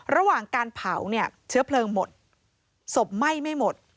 ระหว่างการเผาเนี่ยเชื้อเพลิงหมดศพไหม้ไม่หมด